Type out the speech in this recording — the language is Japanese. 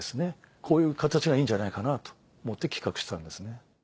こういう形がいいんじゃないかなと思って企画したんですね。